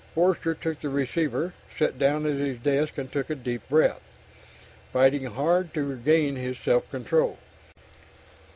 Forster took the receiver, sat down at his desk and took a deep breath, fighting hard to regain his self control.